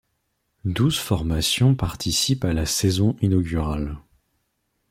Douze formations participent à la saison inaugurale.